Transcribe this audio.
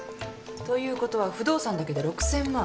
と言うことは不動産だけで６，０００万。